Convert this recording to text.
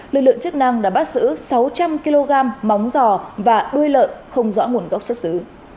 lực lượng chức năng đã bắt giữ sáu trăm linh kg móng giò và đuôi lợn không rõ nguồn gốc xuất xứ